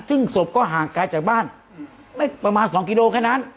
ซึ่งศพก็ห่างกายจากบ้านประมาณ๒กิโลเมตรแค่นั้น